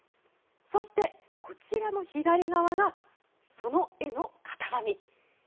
そしてこちらの左側がその絵の型紙。